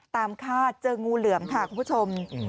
คาดเจองูเหลือมค่ะคุณผู้ชม